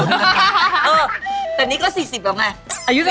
เออแต่นี่ก็๔๐แล้วไง